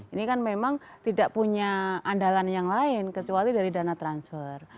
ini kan memang tidak punya andalan yang lain kecuali dari dana transfer